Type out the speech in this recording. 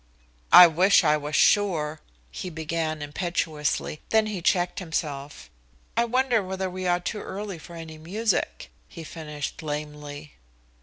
"I wish I was sure," he began impetuously, then he checked himself. "I wonder whether we are too early for any music?" he finished lamely.